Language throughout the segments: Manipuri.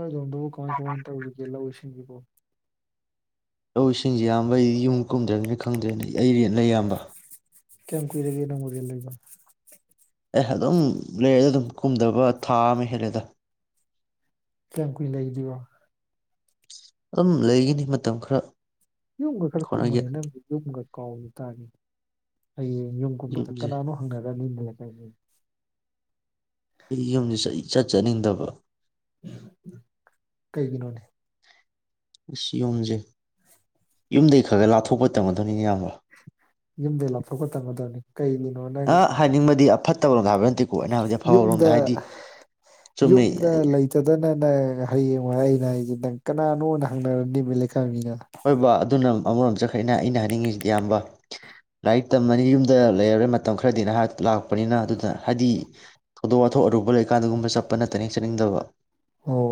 ꯑ ꯀꯃꯥꯏ ꯀꯃꯥꯏ ꯇꯧꯔꯤꯒꯦ ꯂꯧ ꯏꯁꯤꯡꯗꯨꯕꯣ ꯂꯧ ꯏꯁꯤꯡꯖꯦ ꯏꯌꯥꯝꯕ ꯑꯩꯗꯤ ꯌꯨꯝ ꯀꯨꯝꯗ꯭ꯔꯕꯅꯤꯅ ꯈꯪꯗ꯭ꯔꯦꯅ ꯑꯩ ꯑꯩ ꯔꯦꯟ ꯂꯩ ꯏꯌꯥꯝꯕ ꯀꯌꯥꯝ ꯀꯨꯏꯔꯒꯦ ꯅꯪꯕꯨ ꯔꯦꯟ ꯂꯩꯕ ꯑꯦ ꯑꯗꯨꯝ ꯂꯩ ꯑꯗꯨꯝ ꯀꯨꯝꯗꯕ ꯊꯥ ꯑꯃ ꯍꯦꯜꯂꯦꯗ ꯀꯌꯥꯝ ꯀꯨꯏꯅ ꯂꯩꯗꯣꯏꯕ ꯑꯗꯨꯝ ꯂꯩꯒꯤꯅꯤ ꯃꯇꯝ ꯈꯔ ꯌꯨꯝꯒ ꯈꯔ ꯍꯣꯠꯅꯒꯦ ꯀꯨꯝꯃꯨꯅꯦ ꯅꯪꯒꯤ ꯌꯨꯝꯒ ꯀꯥꯎꯒꯤ ꯇꯥꯔꯦꯅꯦ ꯍꯌꯦꯡ ꯌꯨꯝ ꯀꯨꯝꯕꯗ ꯌꯨꯝꯁꯦ ꯀꯅꯥꯅꯣ ꯍꯪꯅꯔꯅꯤꯅꯦ [unintelligible] ꯑꯩ ꯌꯨꯝꯁꯤ ꯏꯆꯠ ꯏꯆꯠꯅꯤꯡꯗꯕ [inaudible] ꯀꯩꯒꯤꯅꯣꯅꯦ ꯑꯁ ꯌꯣꯝꯁꯦ ꯌꯨꯝꯗꯒꯩ ꯈꯔ ꯈ ꯂꯥꯞꯊꯣꯛꯄ ꯇꯝꯒꯗꯕꯅꯤꯅꯦ ꯏꯌꯥꯝꯕ ꯌꯨꯝꯗꯩ ꯂꯥꯞꯊꯣꯛꯄ ꯇꯝꯒꯗꯕꯅꯤ ꯀꯩꯒꯤꯅꯣ ꯅꯪ ꯑ ꯍꯥꯏꯅꯤꯡꯕꯗꯤ ꯐꯠꯇꯕ ꯔꯣꯝꯗ ꯍꯥꯏꯕ ꯅꯠꯇꯦ ꯌꯨꯝꯗ ꯆꯨꯝꯃꯤ ꯌꯨꯝꯗ ꯂꯩꯇꯗꯅ ꯅꯪ ꯍꯌꯦꯡ ꯑꯩꯅ ꯍꯥꯏꯁꯦ ꯅꯪ ꯀꯅꯥꯅꯣꯅ ꯍꯪꯅꯔꯅꯤꯃꯤ ꯍꯣꯏꯕꯥ ꯑꯗꯨꯅ ꯑꯃꯔꯣꯝ ꯆꯠꯈꯔꯦꯅ ꯑꯩꯅ ꯍꯥꯏꯅꯤꯡꯉꯤꯁꯤꯗꯤ ꯑꯌꯥꯝꯕ ꯂꯥꯏꯔꯤ ꯃꯇꯝ ꯑꯅꯤ ꯌꯨꯝꯗ ꯂꯩꯔꯦ ꯃꯇꯝ ꯈꯔ ꯈꯔꯗꯤ ꯅꯍꯥꯛ ꯂꯥꯛꯄꯅꯤꯅ ꯑꯗꯨꯅ ꯍꯥꯏꯗꯤ ꯊꯧꯗꯣꯛ ꯋꯥꯊꯣꯛ ꯑꯔꯨꯕ ꯂꯩꯀꯥꯟꯗꯒꯨꯝꯕ ꯆꯠꯄ ꯅꯠꯇ ꯍꯦꯛ ꯆꯠꯅꯤꯡꯗꯕ ꯑꯣ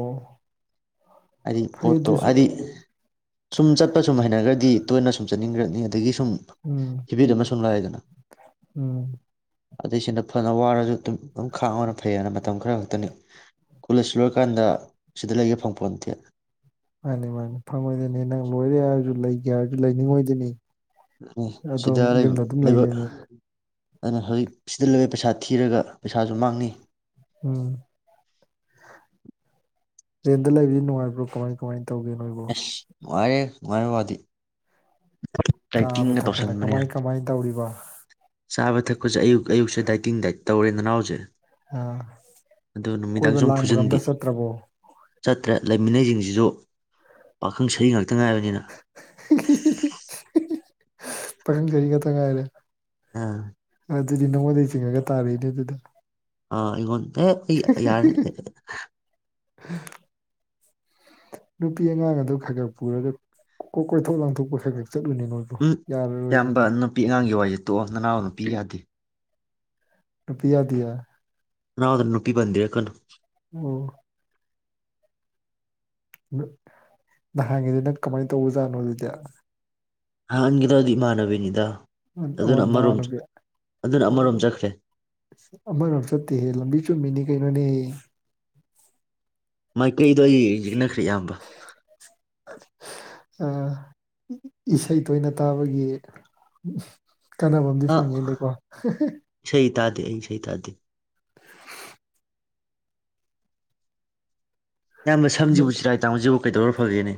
ꯍꯥꯏꯗꯤ ꯐꯩ ꯄꯣꯠꯇꯣ ꯑꯗꯨꯁꯨ ꯍꯥꯏꯗꯤ ꯁꯨꯝ ꯆꯠꯄ ꯁꯨꯝ ꯍꯩꯅꯒ꯭ꯔꯗꯤ ꯇꯣꯏꯅ ꯁꯨꯝ ꯆꯠ [unintelligible] ꯑꯗꯒꯤ ꯁꯨꯝ ꯎꯝ ꯍꯦꯕꯤꯠꯇꯨꯃ ꯁꯨꯝ ꯂꯥꯛꯏꯗꯅ ꯎꯝ ꯑꯗꯩ ꯁꯤꯗ ꯐꯅ ꯋꯥꯔꯁꯨ ꯑꯗꯨꯝ ꯑꯗꯨꯝ ꯈꯥꯡꯉꯅ ꯐꯩꯌꯦꯅ ꯃꯇꯝ ꯈꯔ ꯈꯛꯇꯅꯤ ꯀꯣꯂꯦꯖ ꯂꯣꯏꯔꯀꯥꯟꯗ ꯁꯤꯗ ꯂꯩꯒꯦ ꯐꯪꯄꯣꯟꯇꯦ ꯃꯥꯅꯤ ꯃꯥꯅꯤ ꯐꯪꯉꯣꯏꯗꯅꯦ ꯅꯪ ꯂꯣꯏꯔꯦ ꯍꯥꯏꯔꯁꯨ ꯂꯩ ꯒꯌꯥꯔꯗꯨ ꯂꯩꯅꯤꯡꯉꯣꯏꯗꯨꯅꯤ ꯎꯝ ꯁꯤꯗ ꯂꯩ ꯂꯩꯕ ꯂꯩꯗꯣꯏꯅꯤ ꯑꯗꯨꯅ ꯍꯧꯖꯤꯛ ꯁꯤꯗ ꯂꯩꯕ ꯄꯩꯁꯥ ꯊꯤꯔꯒ ꯄꯩꯁꯥꯁꯨ ꯃꯥꯡꯅꯤ ꯎꯝ ꯔꯦꯟꯗ ꯂꯩꯕꯗꯤ ꯅꯨꯡꯉꯥꯏꯕ꯭ꯔꯣ ꯀꯃꯥꯏ ꯀꯃꯥꯏ ꯇꯧꯒꯦ ꯅꯣꯏꯕꯣ ꯅꯨꯉꯥꯏꯔꯦ ꯅꯨꯡꯉꯥꯏꯕꯩꯋꯥꯗꯤ ꯆꯥꯕ ꯊꯛꯄꯅ ꯀꯃꯥꯏ ꯀꯃꯥꯏ ꯇꯧꯔꯤꯕ ꯆꯥꯕ ꯊꯛꯄꯁꯦ ꯑꯌꯨꯛ ꯑꯌꯨꯛꯁ‌ꯦ ꯗꯥꯇꯤꯡꯠ ꯇꯧꯔꯤꯗꯅ ꯍꯧꯖꯤꯛ ꯑ ꯀꯣꯏꯕ ꯁꯨꯝ ꯂꯥꯡꯕꯒ ꯐꯨꯖꯤꯟꯕꯤ ꯑꯝꯇ ꯆꯠꯇ꯭ꯔꯕꯣ ꯆꯠꯇ꯭ꯔꯦ ꯂꯩꯃꯤꯟꯅꯩꯁꯤꯡꯁꯤꯁꯨ ꯄꯥꯈꯪꯁꯔꯤ ꯉꯥꯛ ꯀꯅꯥꯒꯤꯅ‌ꯣ ꯄꯥꯈꯪ ꯁꯥꯔꯤꯈꯛꯇ ꯉꯥꯏꯔ‌ꯦ ꯑꯥ ꯑꯗꯨꯗꯤ ꯅꯉꯣꯟꯗꯩ ꯆꯤꯡꯉꯒ ꯇꯥꯔꯤꯅꯦ ꯑꯗꯨꯗ ꯑ ꯑꯩꯉ‌ꯣꯟ [unintelligible] ꯌꯥ [unintelligible] ꯅꯨꯄꯤ ꯑꯉꯥꯡ ꯑꯗꯨ ꯈꯔ ꯈꯔ ꯄꯨꯔꯒ ꯀꯣꯏꯊꯣꯛ ꯂꯥꯟꯊꯣꯛꯄ ꯈꯔ ꯈꯔ ꯆꯠꯂꯨꯅꯦ ꯅꯣꯏꯕꯨ ꯌꯥꯔꯔꯣꯏꯅ‌ꯦ ꯅꯣꯏ ꯇꯣꯑ‌ꯣ ꯅꯅꯥꯎ ꯅꯨꯄꯤ ꯌꯥꯗꯦ ꯅꯨꯄꯤꯟ ꯋꯥꯗꯤꯌ‌ꯦ ꯅꯅꯥꯎꯗ ꯅꯨꯄꯤ ꯄꯟꯕꯤꯔꯛꯀꯅꯣ ꯑꯣ ꯅꯍꯥꯟꯉꯤꯗꯨ ꯅꯪ ꯀꯃꯥꯏꯅ ꯇꯧꯕ ꯖꯥꯠꯅꯣ ꯑꯗꯨꯗꯤ ꯅꯍꯥꯟꯒꯤꯗꯗꯤ ꯏꯃꯥꯟꯅꯕꯤꯅꯤꯗ ꯑꯣ ꯑꯣ ꯑꯗꯨꯅ ꯑꯃꯔꯣꯝ ꯅꯃꯥꯟꯅꯕꯤ ꯑꯗꯨꯅ ꯑ‌ꯣ ꯑꯃꯔꯣꯝ ꯆꯠꯈ꯭ꯔꯦ ꯑꯃꯔ‌ꯣꯝ ꯆꯠꯇꯦꯍꯦ ꯂꯝꯕꯤ ꯆꯨꯝꯃꯤꯅꯤ ꯀꯩꯅ‌ꯣꯅ‌ꯦ ꯃꯥꯏꯀꯩꯗꯣ ꯑꯩ ꯌꯦꯛꯅꯈ꯭ꯔꯦ ꯏꯌꯥꯝꯕ ꯏꯁꯩ ꯇꯣꯏꯅ ꯇꯥꯕꯒꯤ ꯀꯥꯟꯅꯕꯝꯗꯤ ꯐꯪꯉꯦꯅꯦꯀꯣ ꯗ‌ꯦ ꯑꯩ ꯏꯁꯩ ꯇꯥꯗꯦ ꯏꯌꯥꯝꯕ ꯁꯝꯁꯤꯕꯨ ꯆꯤꯔꯥꯏ ꯇꯥꯡꯕꯁꯤꯕꯨ ꯀꯩꯗꯧꯔ ꯐꯥ ꯐꯒ‌ꯦꯅꯦ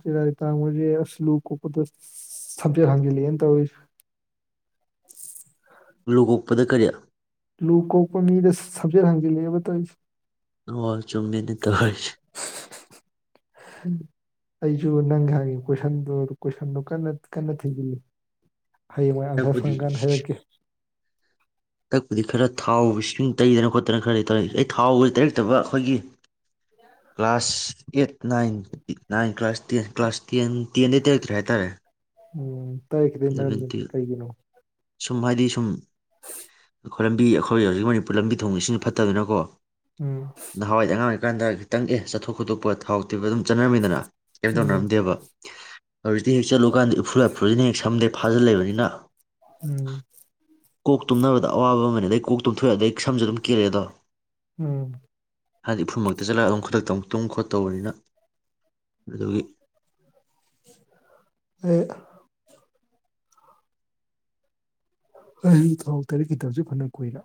ꯆꯤꯔꯥꯏꯇꯥꯡꯕꯁ‌ꯦ ꯑꯁ ꯂꯨ ꯀꯣꯛꯄꯗ ꯁꯝꯖ‌ꯦꯠ ꯍꯥꯡꯖꯤꯂꯛꯑ‌ꯦꯅ ꯇꯧꯔꯤꯁꯤ ꯂꯨꯒꯣꯛꯄꯗ ꯀꯔꯤ ꯂꯨ ꯀ‌ꯣꯛꯄ ꯃꯤꯗ ꯁꯝꯖꯦꯠ ꯍꯡꯖꯤꯜꯂ‌ꯦꯕ ꯇꯧꯔꯤꯁꯤ [unintelligible] ꯆꯨꯝꯃꯤꯅ‌ꯦ ꯇꯧꯔꯤꯁ‌ꯦ ꯑꯩꯁꯨ ꯅꯪ ꯍꯪꯉꯤ ꯀꯣꯏꯁꯟꯗꯨ ꯀꯣꯏꯁꯟꯗꯨ ꯀꯟꯅ ꯀꯟꯅ ꯊꯤꯖꯤꯜꯂꯤ ꯍꯌꯦꯡꯋꯥꯏ ꯑꯟꯁꯔ ꯍꯟꯗꯛꯄꯨꯗꯤ ꯐꯪꯀꯥꯟꯗ ꯍꯥꯏꯔꯛꯀꯦ ꯇꯛꯄꯗꯤ ꯈꯔ ꯊꯥꯎ ꯏꯁꯤꯡ ꯇꯩꯗꯅ ꯈꯣꯠꯇꯅ ꯈꯔ ꯂꯩ ꯇꯧꯔꯛꯏ ꯑꯩ ꯊꯥꯎꯁ ꯇꯩꯔꯛꯇꯕ ꯑꯩꯈꯣꯏꯒꯤ class eight nine nine class ten class ten ꯇꯦꯟꯗꯒꯤ ꯇꯩꯔꯛꯇ꯭ꯔꯦ ꯍꯥꯏ ꯇꯥꯔꯦ ꯎꯝ [inaudible] ꯇꯔꯈꯤꯗꯤ ꯃꯔꯝꯗꯤ ꯀꯩꯒꯤꯅꯣ ꯁꯨꯝ ꯍꯥꯏꯗꯤ ꯁꯨꯝ ꯈꯣꯏ ꯂꯝꯕꯤ ꯑꯩꯈꯣꯏ ꯍꯧꯖꯤꯛ ꯃꯅꯤꯄꯨꯔ ꯄꯨꯂꯞ ꯂꯝꯕꯤ ꯊꯣꯡꯉꯁꯤꯡꯅ ꯐꯠꯇꯗꯅꯀꯣ ꯎꯝ ꯅꯍꯋꯥꯏꯗꯤ ꯑꯉꯥꯡ ꯑꯣꯏꯔꯤꯀꯥꯟꯗ ꯈꯤꯇꯪ ꯑꯦ ꯆꯠꯊꯣꯛ ꯈꯣꯇꯣꯛꯄ ꯊꯥꯎꯇꯤꯕ ꯑꯗꯨꯝ ꯆꯠꯅꯔꯝꯃꯤꯗꯅ ꯀꯔꯤꯝ ꯎꯝ ꯇꯧꯅꯔꯝꯗꯦꯕ ꯍꯧꯖꯤꯛꯇꯤ ꯍꯦꯛ ꯆꯠꯂꯨꯀꯥꯟꯗ ꯏꯐꯨꯜ ꯏꯐꯨꯜꯁꯤꯅ ꯍꯦꯛ ꯁꯝꯗꯦ ꯐꯥꯖꯤꯜꯂꯕꯅꯤꯅ ꯎꯝ ꯀꯣꯛ ꯇꯨꯝꯅꯕꯗ ꯑꯋꯥꯕ ꯑꯃꯅꯤ ꯑꯗꯩ ꯀꯣꯛ ꯇꯨꯝꯊꯣꯛꯑꯦ ꯑꯗꯩ ꯁꯝꯁꯨ ꯑꯗꯨꯝ ꯀꯦꯜꯂꯦ ꯑꯗꯣ ꯎꯝ ꯍꯥꯏꯗꯤ ꯏꯐꯨꯃꯛꯇ ꯆꯠꯂꯛ ꯑꯗꯨꯝ ꯈꯔꯛꯇ ꯇꯧ ꯇꯨꯡ ꯈꯣꯠꯇꯧꯕꯅꯤꯅ ꯑꯗꯨꯒꯤ ꯑꯦ ꯑꯩ ꯊꯥꯎ ꯇꯔꯦꯠ ꯈꯤꯇꯕꯁꯨ ꯐꯅ ꯀꯨꯏꯔꯦ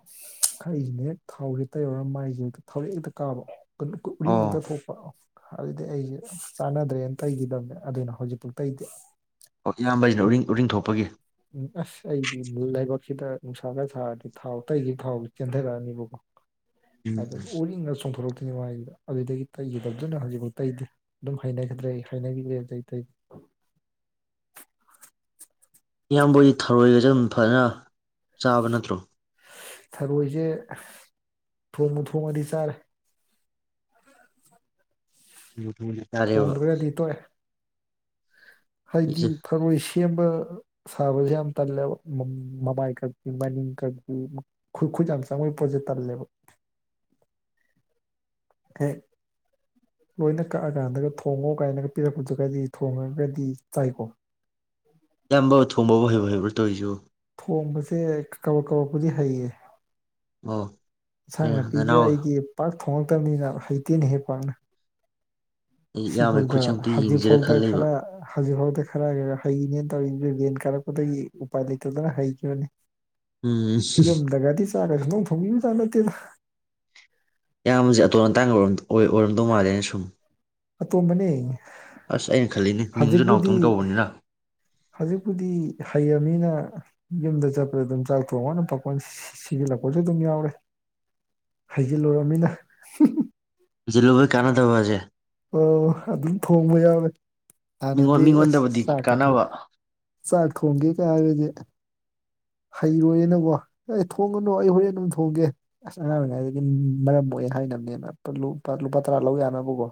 ꯍꯥꯏꯁꯤꯅ ꯍꯦꯛ ꯊꯥꯎꯁꯦ ꯇꯩꯔꯔ ꯃꯥꯏꯁꯦ ꯊꯥꯎꯔꯦꯛ ꯍꯦꯛꯇ ꯀꯥꯕ ꯀꯃꯤꯀꯣ ꯎꯔꯤꯡ ꯑꯣ ꯉꯥꯛꯇ ꯊꯣꯛꯄ ꯑꯗꯨꯗꯤ ꯑꯩꯁꯦ ꯆꯥꯟꯅꯗ꯭ꯔꯦꯅ ꯇꯩꯈꯤꯗꯕꯅꯦ ꯑꯗꯨꯅ ꯍꯧꯖꯤꯛꯐꯥꯎ ꯇꯩꯇꯦ ꯑꯣ ꯏꯌꯥꯝꯕꯁꯤꯅ ꯎꯔꯤꯡ ꯎꯔꯤꯡꯊꯣꯛꯄ ꯄꯒꯤ ꯎꯝ ꯑꯁ ꯑꯩꯗꯤ ꯂꯩꯥꯏꯕꯛꯁꯤꯗ ꯅꯨꯡꯁꯥꯒ ꯁꯥꯔꯗꯤ ꯊꯥꯎ ꯑꯇꯩꯒꯤ ꯐꯥꯎꯕ ꯆꯦꯟꯊꯔꯛꯑꯅꯤꯕꯀꯣ ꯑ ꯎꯝ ꯑꯣ ꯆꯨꯝꯊꯣꯛꯔꯛ ꯁꯤꯒꯤꯗ ꯑꯗꯨꯗꯒꯤ ꯇꯩꯈꯤꯗꯕꯗꯨꯅ ꯍꯧꯖꯤꯛꯐꯥꯎ ꯇꯩꯗꯤ ꯑꯗꯨꯝ ꯍꯩꯅꯈꯤꯗ꯭ꯔꯦ ꯑꯩ ꯍꯩꯅꯕꯤꯗꯦ ꯏꯌꯥꯝꯕꯣꯏꯗꯤ ꯊꯔꯣꯏꯒꯁꯦ ꯑꯗꯨꯝ ꯐꯖꯅ ꯆꯥꯕ ꯅꯠꯇ꯭ꯔꯣ ꯊꯔꯣꯏꯁꯦ ꯊꯣꯡꯉꯨ ꯊꯣꯡꯉꯗꯤ ꯆꯥꯔꯦ ꯋꯨꯇꯨ ꯃꯥꯗꯤꯇꯑꯦꯕ ꯊꯣꯡꯗ꯭ꯔꯒꯗꯤ ꯇꯣꯛꯑꯦ ꯍꯥꯏꯗꯤ ꯐꯪꯃꯣꯏꯁꯤ ꯁꯦꯝꯕ ꯁꯥꯕꯁꯦ ꯌꯥꯝ ꯇꯜꯂꯦꯕ ꯃꯃꯥꯏ ꯈꯛ ꯃꯅꯤꯡ ꯈꯛꯛꯇꯤ ꯈꯨꯠ ꯈꯨꯠ ꯌꯥꯝ ꯆꯪꯕꯒꯤ ꯄꯣꯠꯁꯦ ꯇꯜꯂꯦꯕ ꯍꯦꯛ ꯂꯣꯏꯅ ꯀꯛꯑꯀꯥꯟꯗꯒ ꯊꯣꯡꯉꯣ ꯀꯥꯏꯅꯒ ꯄꯤꯔꯛꯄꯗꯨꯒꯗꯤ ꯊꯣꯡꯉꯒꯗꯤ ꯆꯥꯏꯀꯣ ꯑꯌꯥꯝꯕ ꯊꯣꯡꯕꯕꯨ ꯍꯩꯕꯣ ꯍꯥꯏꯕ꯭ꯔꯣ ꯇꯣꯏꯁꯤꯕꯨ ꯍꯣꯡꯕꯁꯦ ꯀꯕꯛ ꯀꯕꯛꯄꯨꯗꯤ ꯍꯩꯌꯦ ꯑꯧ ꯏꯟꯁꯥꯡ ꯅꯥꯄꯤꯁꯦ ꯑꯩꯒꯤ ꯊꯣꯛꯉꯛꯇꯕꯅꯤꯅ ꯍꯩꯇꯦꯅ ꯍꯦ ꯄꯥꯛꯅ ꯑꯩ ꯁꯤ ꯏꯌꯥꯝꯕꯩ ꯐꯥꯎꯗ ꯈꯨꯠꯁꯦ ꯑꯝꯇ ꯍꯖꯤ ꯌꯦꯡꯖꯤꯔ ꯐꯥꯎꯗ ꯈꯜ ꯂꯩꯕ ꯈꯔ ꯍꯖꯤꯛ ꯐꯥꯎꯗ ꯈꯔ ꯍꯩꯅꯦ ꯇꯦꯔꯤ ꯂꯤꯟ ꯀꯥꯔꯛꯄꯗꯒꯤ ꯎꯄꯥꯏ ꯂꯩꯇꯗꯅ ꯍꯩꯈꯤꯕꯅꯦ ꯎꯝ ꯌꯨꯝ ꯗꯒꯗꯤ ꯆꯒꯁ ꯅ ꯐꯣꯡꯉꯌꯨ ꯑꯥ ꯅꯠꯇꯦꯗꯥ ꯌꯥꯝꯁꯦ ꯑꯇꯣꯟ ꯑꯇꯥꯡꯕꯔꯣꯝ ꯑꯣꯏ ꯑꯣꯏꯔꯝꯗꯧ ꯃꯥꯜꯂꯦꯅ ꯁꯨꯝ ꯑꯇꯣꯝꯕꯅꯦ ꯑꯁ ꯑꯩꯅ ꯈꯜꯂꯤꯅꯤ ꯃꯤꯡꯁꯨ ꯍꯧꯖꯤꯛꯄꯨꯗꯤ ꯅꯥꯎꯇꯧ ꯀꯧꯕꯅꯤꯅ ꯍꯧꯖꯤꯛꯄꯨꯗꯤ ꯍꯩꯔꯅꯤꯅ ꯌꯨꯝꯗ ꯆꯠꯄꯗ ꯑꯗꯨꯝ ꯆꯥꯛ ꯊꯣꯡꯉꯅ ꯄꯛꯄ ꯁꯤꯖꯤꯜꯂꯛꯄꯁꯨ ꯑꯗꯨꯝ ꯌꯥꯎꯔꯦ ꯍꯩꯖꯤꯜꯂꯨꯨꯔꯅꯤꯅ ꯖꯂꯨꯕ ꯀꯅꯥꯗꯕꯖꯦ ꯑꯣ ꯑꯗꯨꯝ ꯊꯣꯡꯕ ꯌꯥꯎꯋꯦ ꯃꯤꯉꯣ ꯃꯤꯉꯣꯟꯗꯕꯗꯤ ꯀꯥꯟꯅꯕ ꯆꯥꯛ ꯊꯣꯡꯒꯦ ꯀ ꯍꯥꯏꯔꯗꯤ ꯍꯩꯔꯣꯏꯌꯦꯅꯀꯣ ꯑꯩ ꯊꯣꯡꯉꯅꯨ ꯑꯩ ꯍꯣꯔꯦꯟ ꯑꯗꯨꯝ ꯊꯣꯡꯒꯦ ꯑꯁ ꯑꯉꯥꯡ ꯑꯣꯏꯔꯤꯉꯩꯗꯒꯤ ꯃꯔꯝ ꯑꯣꯏꯅ ꯍꯥꯏꯅꯕꯅꯦꯅꯨ ꯂꯨꯄꯥ ꯇꯔꯥ ꯂꯧ ꯌꯥꯅꯕꯀꯣ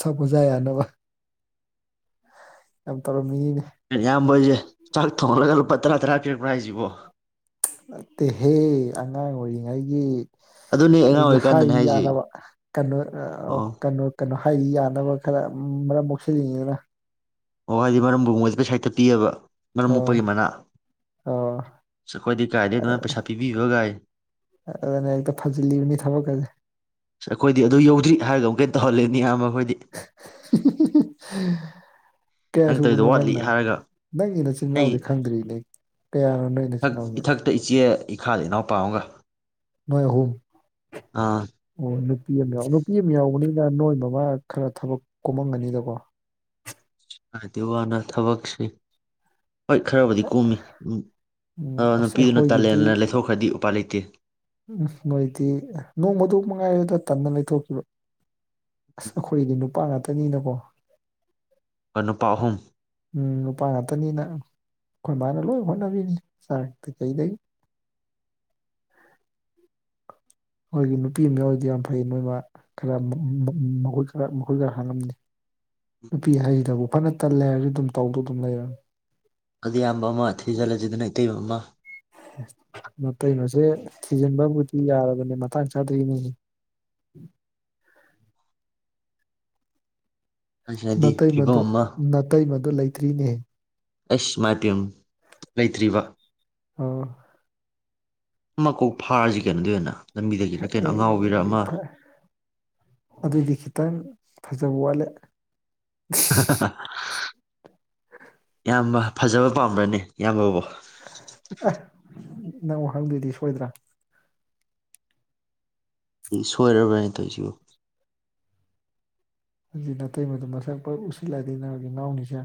ꯁ ꯄꯨꯖ ꯌꯥꯅꯕ ꯌꯥꯝ ꯇꯧꯔ ꯏꯌꯝ ꯍꯣꯏꯁꯦ ꯆꯥꯛ ꯊꯣꯡ ꯂꯒ ꯄꯠꯇ꯭ꯔ ꯇ꯭ꯔꯥ ꯀꯦꯠ ꯄ꯭ꯔ ꯍꯥꯏꯖꯕꯨ ꯅ ꯇꯦꯍꯦ ꯑꯉꯥꯡ ꯑꯣꯏꯔꯤꯉꯩꯒꯤ ꯑꯗꯨꯅꯦ ꯑꯉꯥꯡ ꯑꯩꯗꯤ ꯑꯣꯏꯔꯤꯀꯥꯟꯗꯅꯦ ꯍꯥꯏꯔꯤ ꯍꯥꯏꯁꯦ ꯌꯥꯅꯕ ꯀꯩꯅꯣ ꯑꯣ ꯀꯩꯅꯣ ꯀꯩꯅꯣ ꯍꯥꯏꯗꯤ ꯌꯥꯅꯕ ꯈꯔ ꯃꯔꯝ ꯃꯣꯛꯁꯤꯜꯂꯤꯉꯤꯅ ꯑꯣ ꯍꯥꯏꯗꯤ ꯃꯔꯝꯕꯨꯒꯨꯝꯣꯏꯗꯗꯤ ꯄꯩꯁꯥꯏꯠꯇ ꯄꯤꯑꯕ ꯃꯔꯝ ꯑꯣ ꯃꯨꯞꯄꯒꯤ ꯃꯅꯥ ꯑꯣ ꯁ ꯑꯩꯈꯣꯏꯗꯤ ꯒꯥꯥꯏꯗꯒꯤ ꯑꯗꯨꯃꯥꯏꯅ ꯄꯩꯁꯥ ꯄꯤꯕꯤꯌ ꯒꯥꯥꯏ ꯑꯗꯨꯅ ꯍꯦꯛꯇ ꯐꯖꯤꯜꯂꯤꯕꯅꯤ ꯊꯕꯛꯀꯁ ꯇꯍꯂꯅꯤ ꯏꯌꯥꯝꯕ ꯑꯩꯈꯣꯏꯗꯤ [inaudible] ꯀꯌꯥ ꯅꯪ ꯁꯨꯕꯅꯣ ꯇꯧꯔꯤꯗꯣ ꯋꯥꯠꯂꯤ ꯅꯪꯅ ꯍꯥꯏꯔꯒ ꯅꯪꯒꯤ ꯅꯆꯤꯤꯟꯜ ꯑꯩ ꯏꯅꯥꯎꯁꯦ ꯈꯪꯗ꯭ꯔꯤꯅꯦ ꯀꯌꯥꯅꯣ ꯅꯪꯒꯤ ꯏꯆꯤꯜ ꯏꯅꯥꯎꯁꯦ ꯏꯈꯥ ꯏꯅꯥꯎꯄꯥ ꯑꯃꯒ ꯅꯣꯏ ꯑꯍꯨꯝ ꯑꯥ ꯑꯣ ꯅꯨꯄꯤ ꯑꯃ ꯌꯥꯎ ꯅꯨꯄꯤ ꯑꯃ ꯌꯥꯎꯕꯅꯤ ꯑꯩꯅ ꯅꯣꯏ ꯃꯃꯥ ꯈꯔ ꯊꯕꯛ ꯀꯣꯃꯝꯒꯅꯤꯗꯀꯣ ꯑ ꯇ ꯋꯥꯅ ꯊꯕꯛꯁꯤ ꯍꯣꯏ ꯈꯔꯕꯨꯗꯤ ꯀꯨꯝꯃꯤ ꯑ ꯎꯝ ꯑꯁ ꯅꯨꯄꯤꯗꯨꯅ ꯇꯥꯂꯦꯟꯅ ꯑꯩꯈꯣꯏꯒꯤꯗꯤ ꯂꯩꯊꯣꯛꯈ꯭ꯔꯗꯤ ꯎꯄꯥ ꯂꯩꯇꯦ ꯑꯣꯀꯦ ꯎꯝ ꯅꯣꯏꯗꯤ ꯅꯣꯡꯃꯗ ꯃꯉꯥꯏꯔꯗ ꯇꯟꯅ ꯂꯩꯊꯣꯛꯈꯤꯕꯣ ꯑꯁ ꯑꯩꯈꯣꯏꯗꯤ ꯅꯨꯄꯥ ꯉꯥꯛꯇꯅꯤꯅꯀꯣ ꯅꯨꯄꯥ ꯑꯍꯨꯝ ꯎ ꯅꯨꯄꯥ ꯉꯥꯛꯇꯅꯤꯅ ꯑꯩꯈꯣꯏꯕꯥꯅ ꯂꯣꯏ ꯍꯣꯠꯅꯕꯤꯅꯤ ꯁꯥꯔ ꯀꯩꯀꯩꯗꯒꯤ ꯑꯩꯈꯣꯏꯒꯤ ꯅꯨꯄꯤ ꯃꯎꯗꯤ ꯌꯥꯝ ꯐꯩ ꯃꯣꯏꯃ ꯈꯔ ꯃꯈꯣꯏ ꯈꯔ ꯃꯈꯣꯏ ꯈꯔ ꯍꯥꯡꯂꯝꯅꯤ ꯅꯨꯄꯤ ꯍꯍꯩꯗꯕꯨ ꯐꯅ ꯇꯜꯂꯦ ꯍꯥꯏꯔꯗꯤ ꯑꯗꯨꯝ ꯇꯧꯗꯣ ꯑꯗꯨꯝ ꯂꯩꯔꯅꯤ ꯑꯗꯨꯗꯤ ꯏꯌꯥꯝꯕ ꯑꯃ ꯊꯤꯖꯤꯜꯂꯁꯤꯗꯅ ꯏꯇꯩꯕ ꯑꯃ ꯀꯩꯅꯣꯁꯦ ꯊꯤꯖꯤꯟꯕꯕꯨꯗꯤ ꯌꯥꯔꯕꯅꯦ ꯃꯇꯥꯡ ꯆꯥꯗꯔꯤꯅꯤ ꯑꯁꯤꯅꯗꯤ ꯅꯠꯇꯩ ꯐꯤꯕꯝ ꯃꯗꯨ ꯑꯃ ꯅꯇꯩꯩ ꯃꯗꯨ ꯂꯩ ꯔꯤꯅꯦ ꯑꯁ ꯃꯥꯇꯝ ꯂꯩꯇ꯭ꯔꯤꯔꯤꯕ ꯑꯣ ꯑꯃꯀꯧ ꯐꯥꯔꯁꯤ ꯀꯩꯅꯗ ꯑꯣꯏꯅ ꯂꯝꯕꯤꯗꯒꯤꯔ ꯀꯩꯅꯣ ꯑꯉꯥꯎꯕꯤꯔ ꯑꯃ ꯑꯦ꯭ꯔ ꯑꯗꯨꯗ ꯂꯤꯈꯤꯇ ꯐꯖꯕ ꯋꯥꯂꯦ ꯌꯥꯝꯌꯥꯝꯕ ꯐꯖꯕ ꯄꯥꯝꯕ꯭ꯔꯅꯤ ꯏꯌꯥꯝꯕꯕꯨꯣ ꯅꯪ ꯋꯥꯍꯪꯗꯣꯏꯗꯤ ꯁꯣꯏꯗ꯭ꯔꯥ ꯁꯣꯏꯔꯕ꯭ꯔꯅꯦ ꯇꯧꯁꯤꯕꯨ ꯍꯧꯖꯤꯛ ꯅꯥꯇꯩ ꯃꯗꯨ ꯃꯁꯛꯄ ꯎꯁꯤꯜꯂꯥꯏꯗꯒꯤ ꯏ ꯅꯥꯎꯅꯤꯁꯦ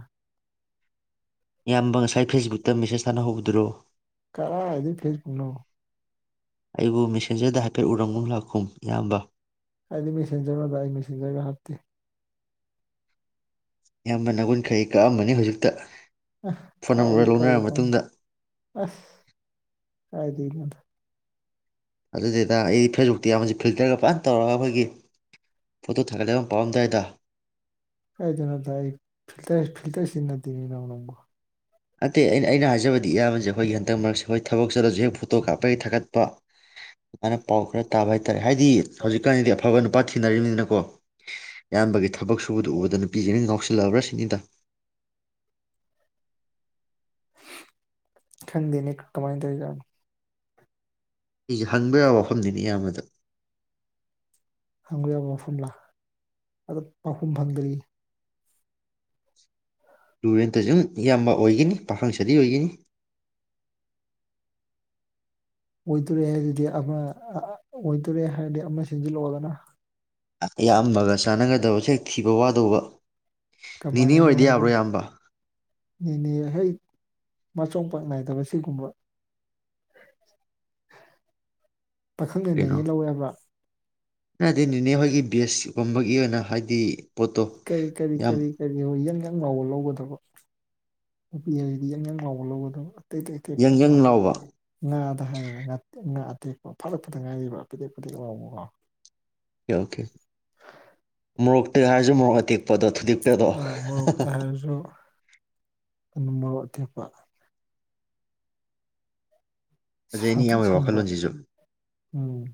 ꯏꯌꯥꯝꯕ ꯉꯁꯥꯏ ꯐꯦꯁꯕꯨꯛꯇ ꯃꯦꯁꯦꯁ ꯊꯥꯅꯍꯧꯕꯗ꯭ꯔꯣ ꯀꯔ ꯑꯗꯨꯦ ꯐꯦꯁ ꯄꯣ ꯑꯩꯕꯨ ꯃꯦꯁꯦꯟꯖꯔꯗ ꯍꯥꯏꯐꯦꯠ ꯎꯔꯝꯒꯨꯝ ꯂꯥꯛꯈꯨꯝ ꯏꯌꯥꯝꯕ ꯍꯥꯏꯗꯤ ꯃꯤꯦꯁꯟꯖꯔꯒ ꯇꯥꯛ ꯃꯦꯁꯟꯖꯔꯒ ꯍꯥꯞꯇꯦ ꯑꯌꯥꯝꯕ ꯅꯒꯨꯟꯈꯩ ꯀꯛꯑꯝꯕꯅꯤ ꯍꯧꯖꯤꯛꯇ ꯑ ꯐꯣꯟ ꯀꯥꯏꯗꯤ ꯅꯝꯕꯔ ꯂꯧꯅꯔ ꯀꯕꯨꯗ ꯃꯇꯨꯡꯗ ꯑꯁ ꯀꯥꯏ ꯔꯤꯗ ꯑꯗꯨꯗꯗ ꯑꯩꯗꯤ ꯐꯦꯁꯕꯨꯛꯇꯤ ꯌꯥꯝꯕꯁꯤ ꯐꯤꯜꯇꯔꯒ ꯐꯖꯅ ꯇꯧꯔꯒ ꯑꯩꯈꯣꯏꯒꯤ ꯐꯣꯇꯣ ꯊꯥꯒꯠꯂꯕ ꯑꯃ ꯄꯥꯝꯗꯥꯏꯗ ꯀꯥꯏꯗꯅꯣ ꯇ ꯐꯤꯜꯇꯔ ꯐꯤꯜꯇꯔꯁꯤ ꯅꯠꯇꯅꯤ ꯅ ꯅꯪꯒꯣ ꯑꯗꯇꯩ ꯑꯩꯅ ꯑꯩꯅ ꯍꯥꯏꯖꯕꯗꯤ ꯏꯌꯥꯝꯕꯁꯦ ꯑꯩꯈꯣꯏꯒꯤ ꯍꯟꯗꯛ ꯃꯔꯛꯁꯦ ꯍꯣꯏ ꯊꯕꯛ ꯆꯠꯂꯁꯨ ꯍꯦꯛ ꯐꯣꯇꯣ ꯀꯥꯞꯄꯒꯤ ꯊꯥꯒꯠꯄ ꯑꯗꯨꯃꯥꯏꯅ ꯄꯥꯎ ꯈꯔ ꯇꯥꯕ ꯍꯥꯏꯇꯥꯥꯔꯦ ꯍꯥꯏꯗꯤ ꯍꯧꯖꯤꯛꯀꯥꯟꯗꯤ ꯑꯐꯕ ꯅꯨꯄꯥ ꯊꯤꯅꯔꯤꯕꯔꯤꯕꯅꯤꯅꯀꯣ ꯏꯌꯥꯝꯕꯒꯤ ꯊꯕꯛ ꯁ ꯁꯨꯕꯗ ꯎꯕꯗ ꯅꯨꯄꯤꯁꯤꯦꯅ ꯉꯥꯎꯁꯤꯜꯂꯛꯑꯕ꯭ꯔꯥ ꯁꯤꯅꯤꯗ ꯊꯪꯗꯅꯤ ꯀꯃꯥꯏꯗꯔꯤ ꯌꯥꯒ ꯑꯩꯁꯨꯦ ꯍꯪꯕ ꯌꯥꯕ ꯋꯥꯐꯝꯅꯤꯅꯦ ꯏꯌꯥꯝꯕꯗ ꯍꯪꯕ ꯌꯥꯕ ꯃꯐꯝ ꯂꯥ ꯑꯗ ꯄꯥꯎꯈꯨꯝ ꯐꯪꯗ꯭ꯔꯤ ꯇꯨꯔꯦꯟꯇꯁꯨꯨꯝ ꯏꯌꯥꯝꯕ ꯑꯣꯏꯒꯅꯤ ꯄꯥꯈꯪꯁꯤꯗꯤ ꯑꯣꯏꯒꯅꯤ ꯑꯣꯏꯗꯣꯔꯦ ꯍꯥꯏꯔꯗꯤ ꯑꯃ ꯑꯣꯏꯗꯣꯔꯦ ꯍꯥꯏꯔꯗꯤ ꯑꯃ ꯁꯦꯝꯖꯤꯜꯂꯛꯑꯣꯒꯅ ꯏꯌꯥꯝꯕꯒ ꯆꯥꯟꯅꯒꯗꯕ ꯁꯦꯛ ꯊꯤꯕ ꯋꯥꯗꯧꯕ ꯅꯤꯅꯦ ꯀꯃꯥꯏꯅꯅꯣ ꯑꯣꯏꯔꯗꯤ ꯌꯥꯕ꯭ꯔꯣ ꯏꯌꯥꯝꯕ ꯍꯥꯏꯖꯦꯅꯦ ꯍ ꯃꯆꯣꯡꯄꯥꯛ ꯅꯥꯏꯗꯕ ꯁꯤꯒꯨꯝꯕ ꯄꯥꯈꯪꯗ ꯅꯩꯅꯉꯩ ꯂꯧꯋꯦꯕ꯭ꯔꯥ ꯗꯤ ꯅꯅꯤꯅꯦ ꯍꯣꯏꯒꯤ ꯕꯦꯁꯀꯨꯝꯕꯒꯤ ꯑꯣꯏꯅ ꯍꯥꯏꯗꯤ ꯄꯣꯠꯇꯣ ꯀꯔꯤ ꯀꯔꯤ ꯌꯥꯝ ꯀꯔꯤ ꯀꯔꯤ ꯑꯣꯏ ꯌꯥꯒꯥ ꯑꯪ ꯉꯥꯎꯕ ꯂꯧꯒꯗꯕ ꯅꯨꯄꯤ ꯍꯥꯏꯖꯤꯗꯤ ꯑꯉꯥꯡ ꯉꯥꯎꯕ ꯂꯧꯒꯗꯕ ꯌꯪ ꯌꯪ ꯂꯥꯎꯕ ꯇꯀꯣ ꯍꯥꯏꯔꯒ ꯉ ꯑꯇꯦꯛꯄ ꯐꯥꯠꯂꯛꯄꯗ ꯉꯥꯏꯔꯤꯕ ꯑꯗꯦꯛꯄꯗꯦꯛ ꯂꯥꯎꯕꯀꯣ ꯑꯣ ꯑꯣꯀꯦ ꯃ ꯇꯍꯔꯁꯨ ꯃꯣꯔ ꯑꯇꯤꯛ ꯄꯗꯣ ꯊꯨꯗꯤꯄꯦꯗꯣ ꯎ ꯃꯣꯔꯣꯛ ꯑꯇꯦꯛꯄ ꯖꯅꯤ ꯁꯥꯡꯇ꯭ꯔꯤꯛ ꯏꯌꯥꯝꯕꯩ ꯁꯪꯕ ꯋꯥꯈꯜꯂꯣꯟꯖꯤꯖꯨ ꯎꯝ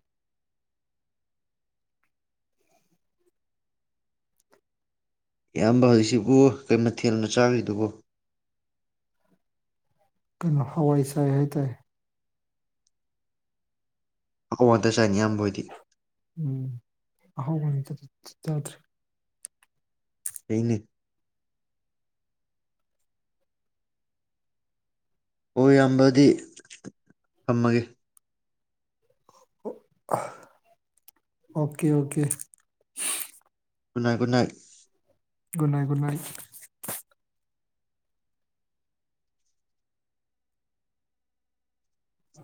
ꯏꯌꯥꯝꯕ ꯍꯧꯖꯤꯛꯁꯤꯕꯨ ꯀꯩ ꯃꯊꯦꯜꯅ ꯆꯥꯔꯤꯗꯨꯕꯣ ꯀꯩꯅꯣ ꯍꯋꯥꯏ ꯁꯥꯏ ꯍꯥꯏ ꯇꯥꯏ ꯑ ꯋꯥ ꯇꯆꯥꯏꯅꯤꯌꯥꯝꯕꯣꯏꯗꯤ ꯎꯝ ꯑꯍꯥꯎꯕ ꯅꯠ ꯇ ꯇ ꯆꯥꯗ꯭ꯔꯦ ꯑꯩꯅꯦ ꯑꯣ ꯌꯥꯝꯕꯗꯤ ꯊꯝꯃꯒꯦ ꯑꯣ ꯑꯥꯍ ꯑꯣꯀꯦ ꯑꯣꯀꯦ ꯒꯨꯗ ꯅ good night good night good night ꯑ